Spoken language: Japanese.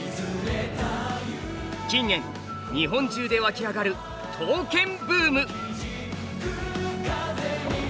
近年日本中でわき上がる刀剣ブーム。